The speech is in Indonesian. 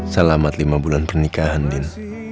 selamat lima bulan pernikahan din